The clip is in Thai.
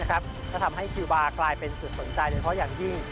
ก็ทำให้คิวบาร์กลายเป็นจุดสนใจโดยเฉพาะอย่างยิ่ง